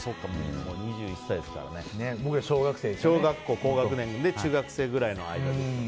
僕らは小学校高学年から中学生くらいの間ですね。